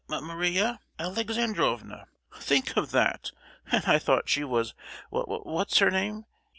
"M—Maria Alexandrovna! think of that; and I thought she was w—what's her name.